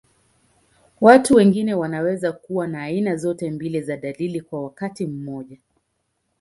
Watu wengine wanaweza kuwa na aina zote mbili za dalili kwa wakati mmoja.